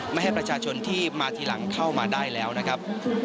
ไม่ให้ประชาชนที่มาทีหลังเข้ามาได้แล้วนะครับ